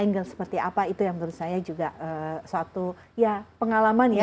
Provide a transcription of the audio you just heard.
angle seperti apa itu yang menurut saya juga suatu ya pengalaman ya